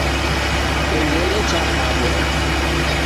Kengele chakabwa